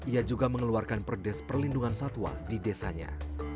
ia juga mengeluarkan perdes perlindungan satwa di desanya